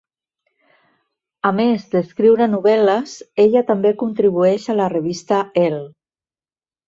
A més d'escriure novel·les, ella també contribueix a la revista "Elle".